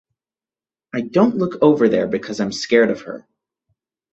I don't look over there because I'm scared of her.